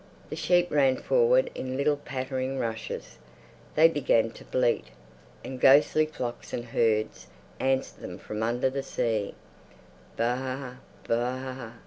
The sheep ran forward in little pattering rushes; they began to bleat, and ghostly flocks and herds answered them from under the sea. "Baa! Baaa!"